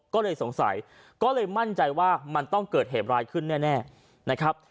ก็เลยสงสัยก็เลยมั่นใจว่ามันต้องเกิดเหตุร้ายขึ้นแน่นะครับ